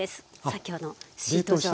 先ほどのシート状。